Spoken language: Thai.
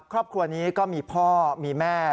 ครอบครัวนี้ก็มีพ่อมีแม่